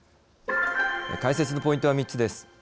解説のポイントは、三つです。